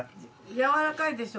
やわらかいでしょ。